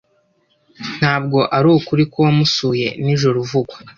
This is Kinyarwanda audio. Ntabwo arukuri ko wamusuye nijoro uvugwa?